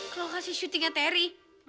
ke lokasi syutingnya terry